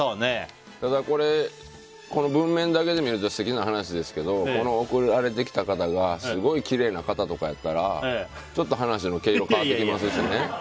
ただこれこの文面だけで見ると素敵な話ですけどこの送られてきた方がすごいきれいな方とかやったらちょっと話の毛色が変わってきますよね。